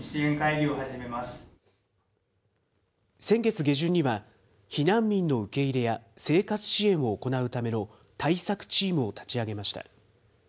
先月下旬には、避難民の受け入れや生活支援を行うための対策チームを立ち上げました。